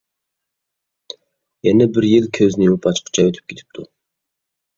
يەنە بىر يىل كۆزنى يۇمۇپ ئاچقۇچە ئۆتۈپ كېتىپتۇ.